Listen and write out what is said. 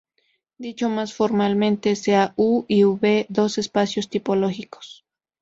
Dicho más formalmente: sean "U y V" dos espacios topológicos.